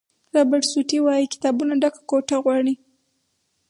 رابرټ سوټي وایي کتابونو ډکه کوټه غواړي.